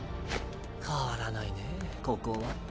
変わらないねぇここは。